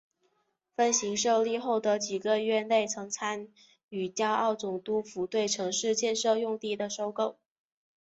分行设立后的几个月内曾参与胶澳总督府对城市建设用地的收购。